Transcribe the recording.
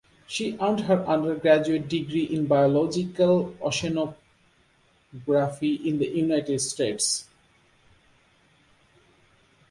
She earned her undergraduate degree in biological oceanography in the United States.